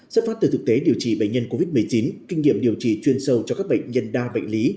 xuất phát từ thực tế điều trị bệnh nhân covid một mươi chín kinh nghiệm điều trị chuyên sâu cho các bệnh nhân đa bệnh lý